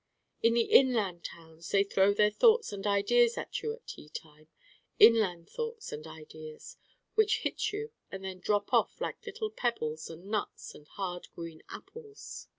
In the inland towns they throw their thoughts and ideas at you at tea time, inland thoughts and ideas, which hit you and then drop off like little pebbles and nuts and hard green apples.